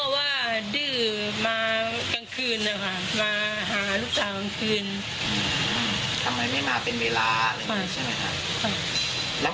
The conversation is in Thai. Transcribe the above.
แร่ฟัง